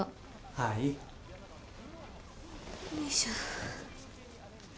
はい。よいしょ。